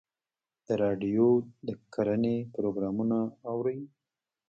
د راډیو د کرنې پروګرامونه اورئ؟